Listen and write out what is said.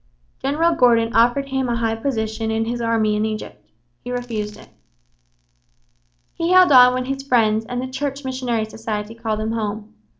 General Gordon offered him a high position in his army in Egypt. He refused it. He held on when his friends and the Church Missionary Society called him home.